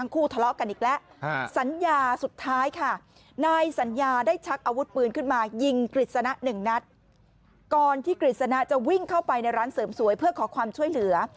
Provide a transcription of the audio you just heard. เข้าไปในร้านเสริมสวยเพื่อขอความช่วยเหลือ